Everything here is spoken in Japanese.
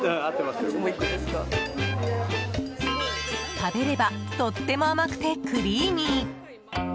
食べればとっても甘くてクリーミー。